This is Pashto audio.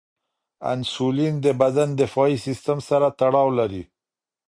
انسولین د بدن دفاعي سیستم سره تړاو لري.